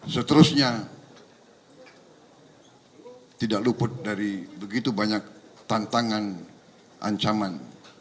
seterusnya tidak luput dari begitu banyak tantangan ancaman